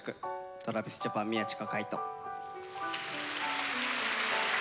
ＴｒａｖｉｓＪａｐａｎ宮近海斗」。